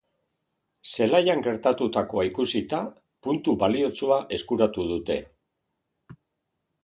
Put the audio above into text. Zelaian gertatutakoa ikusita, puntu baliotsua eskuratu dute.